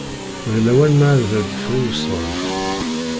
D lawan ma ad d-friwseḍ.